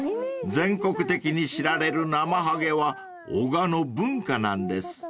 ［全国的に知られるナマハゲは男鹿の文化なんです］